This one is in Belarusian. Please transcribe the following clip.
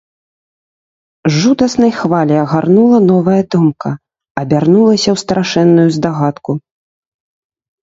Жудаснай хваляй агарнула новая думка, абярнулася ў страшэнную здагадку.